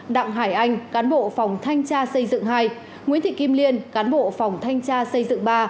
đặng hải anh cán bộ phòng thanh tra xây dựng hai nguyễn thị kim liên cán bộ phòng thanh tra xây dựng ba